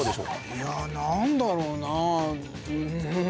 いや何だろうな。